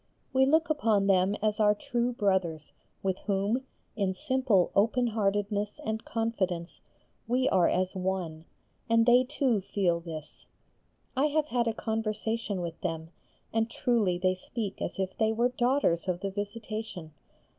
We look upon them as our true brothers, with whom, in simple openheartedness and confidence we are as one, and they too feel this. I have had a conversation with them, and truly they speak as if they were daughters of the Visitation.